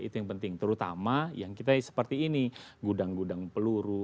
itu yang penting terutama yang kita seperti ini gudang gudang peluru